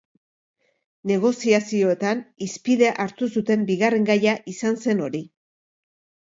Negoziazioetan hizpide hartu zuten bigarren gaia izan zen hori.